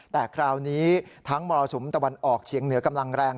แต่คราวนี้ทั้งมรสุมตะวันออกเฉียงเหนือกำลังแรง